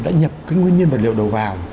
đã nhập cái nguyên nhân vật liệu đầu vào